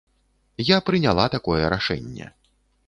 Я прыняла такое рашэнне.